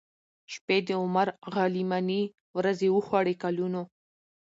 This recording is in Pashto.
شپې د عمر غلیماني ورځي وخوړې کلونو